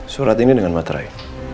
surat ini dengan materai